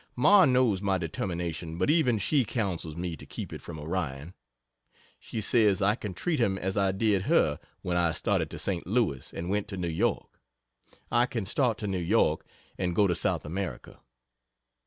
Ma knows my determination, but even she counsels me to keep it from Orion. She says I can treat him as I did her when I started to St. Louis and went to New York I can start to New York and go to South America!